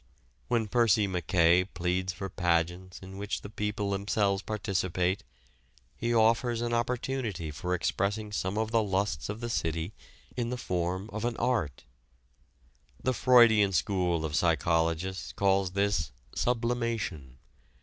When Percy MacKaye pleads for pageants in which the people themselves participate, he offers an opportunity for expressing some of the lusts of the city in the form of an art. The Freudian school of psychologists calls this "sublimation."